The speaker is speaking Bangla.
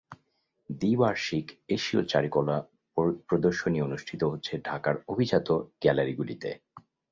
দ্বি-বার্ষিক এশীয় চারুকলা প্রদর্শনী অনুষ্ঠিত হচ্ছে ঢাকার অভিজাত গ্যালারিগুলিতে।